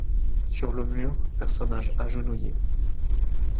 Sur le mur, personnage agenouillé.